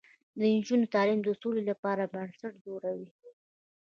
د نجونو تعلیم د سولې لپاره بنسټ جوړوي.